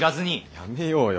やめようよ